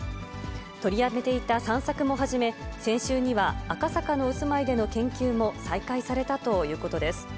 取りやめていた散策も始め、先週には、赤坂のお住まいでの研究も再開されたということです。